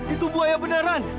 itu buaya beneran